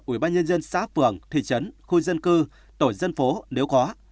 ubnd xã phường thị trấn khu dân cư tổ dân phố nếu có